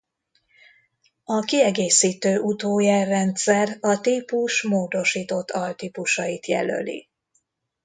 A kiegészítő utójel-rendszer a típus módosított altípusait jelöli.